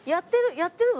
やってるの？